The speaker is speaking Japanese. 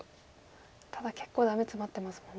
ただ結構ダメツマってますもんね。